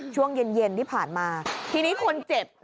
ช่วงเย็นเย็นที่ผ่านมาทีนี้คนเจ็บ